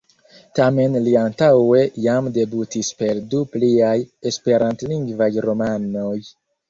Tamen li antaŭe jam debutis per du pliaj esperantlingvaj romanoj.